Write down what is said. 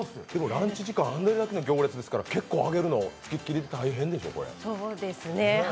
ランチ時間、あれだけの行列ですから揚げるの、つきっきりで大変でしょう。